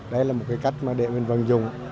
đây là một cách để mình vận dụng